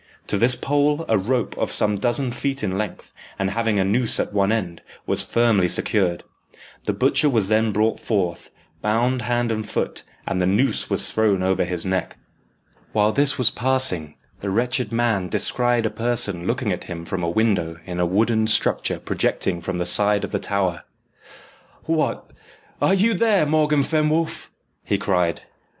To this pole a rope, of some dozen feet in length, and having a noose at one end, was firmly secured. The butcher was then brought forth, bound hand and foot, and the noose was thrown over his neck. While this was passing, the wretched man descried a person looking at him from a window in a wooden structure projecting from the side of the tower. "What, are you there, Morgan Fenwolf?" he cried.